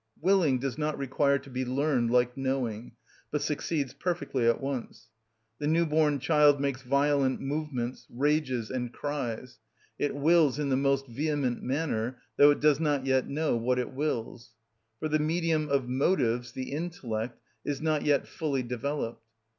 Willing does not require to be learned like knowing, but succeeds perfectly at once. The new born child makes violent movements, rages, and cries; it wills in the most vehement manner, though it does not yet know what it wills. For the medium of motives, the intellect, is not yet fully developed.